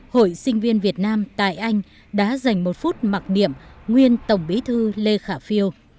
hội sinh viên việt nam tại anh đã dành một phút mặc niệm nguyên tổng bí thư lê khả phiêu